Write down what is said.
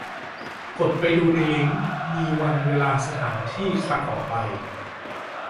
กดไปดูในลิงก์ มีวันเวลาสถานที่ครั้งต่อไป